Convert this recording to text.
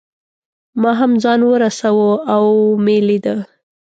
ما هم ځان ورساوه او مې لیده.